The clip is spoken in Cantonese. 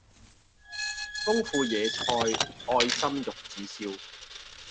豐富野菜愛心玉子燒